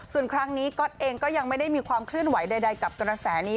ส่วนครั้งนี้ก๊อตเองก็ยังไม่ได้มีความเคลื่อนไหวใดกับกระแสนี้